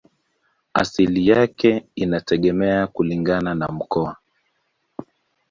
Asili yake inategemea kulingana na mkoa.